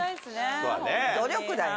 努力だよ。